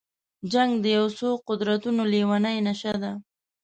جنګ د یو څو قدرتونو لېونۍ نشه ده.